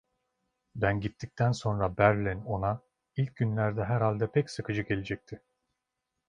Ben gittikten sonra Berlin ona ilk günlerde herhalde pek sıkıcı gelecekti.